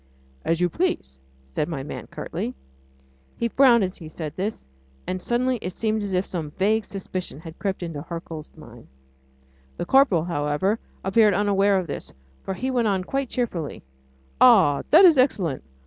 "As you please," said my man curtly. He frowned as he said this, and it suddenly seemed as if some vague suspicion had crept into Hercule's mind. The corporal, however, appeared unaware of this, for he went on quite cheerfully: "Ah! that is excellent!